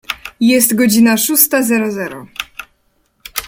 Jest godzina szósta zero zero.